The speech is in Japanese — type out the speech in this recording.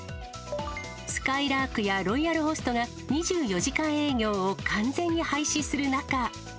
すかいらーくやロイヤルホストが２４時間営業を完全に廃止する中。